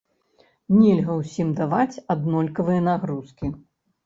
Нельга ўсім даваць аднолькавыя нагрузкі.